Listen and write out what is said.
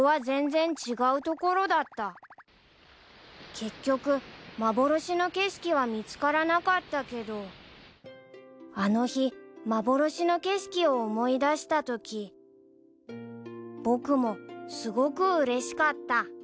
［結局まぼろしの景色は見つからなかったけどあの日まぼろしの景色を思い出したとき僕もすごくうれしかった］